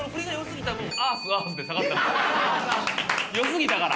良すぎたから。